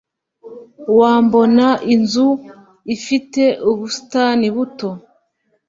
Wambona inzu ifite ubusitani buto?